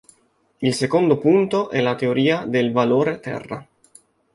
Il secondo punto è la teoria del valore-terra.